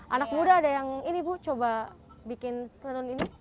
anak muda ada yang ini bu coba bikin tenun ini